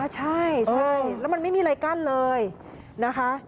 ใช่แล้วมันไม่มีอะไรกั้นเลยนะคะ